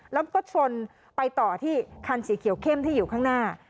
แล้วก็ชนไปต่อที่คันสีเขียวเข้มที่อยู่ข้างหน้า